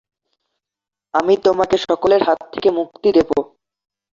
আমি তোমাকে সকলের হাত থেকে মুক্তি দেব।